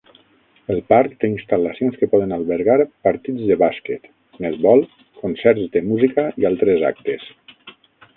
El parc té instal·lacions que poden albergar partits de bàsquet, netbol, concerts de música i altres actes.